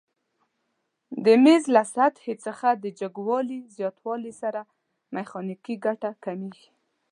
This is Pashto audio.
د میز له سطحې څخه د جګوالي زیاتوالي سره میخانیکي ګټه کمیږي؟